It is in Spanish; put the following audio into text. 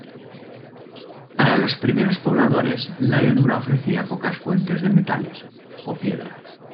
Para los primeros pobladores, la llanura ofrecía pocas fuentes de metales o piedra.